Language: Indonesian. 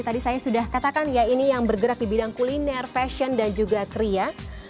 tadi saya sudah katakan ya ini yang bergerak di bidang kuliner fashion dan juga kria